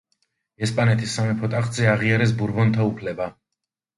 ესპანეთის სამეფო ტახტზე აღიარეს ბურბონთა უფლება.